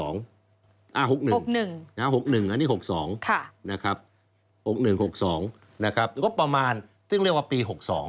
นี่๖๑อันนี้๖๒เหลือกบประมาณผลตอบปี๖๒